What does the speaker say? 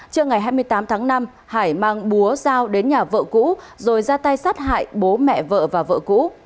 trưa ngày hai mươi tám tháng năm hải mang búa dao đến nhà vợ cũ rồi ra tay sát hại bố mẹ vợ và vợ cũ